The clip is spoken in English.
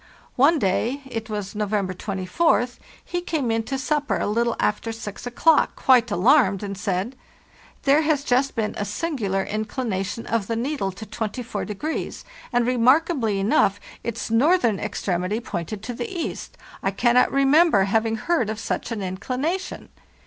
One day—it was No vember 24th—he came into supper a little after 6 o'clock quite alarmed and said, " There has just been a singular inclination of the needle to 24°, and, remarkably enough, its northern extremity pointed to the east. I cannot re member ever having heard of such an inclination."